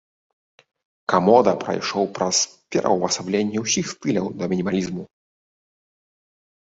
Камода прайшоў праз пераўвасабленне ўсіх стыляў да мінімалізму.